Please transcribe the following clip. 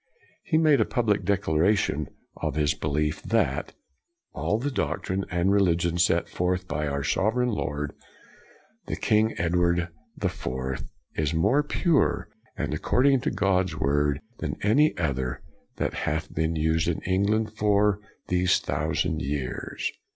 He made a public declaration of his be lief that " all the doctrine and religion set forth by our sovereign lord, King Ed 92 CRANMER ward VI., is more pure and according to God's word than any other that hath been used in England for these thousand years.'